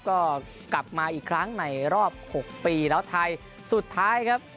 ก็กลับมาอีกครั้งในรอบ๖ปีแล้วไทยสุดท้ายครับ